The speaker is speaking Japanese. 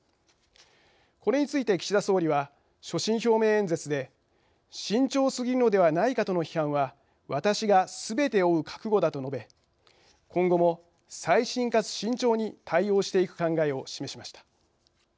これについて、岸田総理は所信表明演説で「慎重すぎるのではないかとの批判は私がすべて負う覚悟だ」と述べ、今後も細心かつ慎重に対応していく考えを示しました。